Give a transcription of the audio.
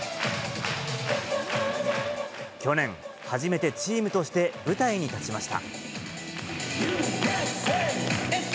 去年、初めてチームとして舞台に立ちました。